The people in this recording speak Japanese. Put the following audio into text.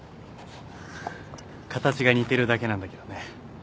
形が似てるだけなんだけどね。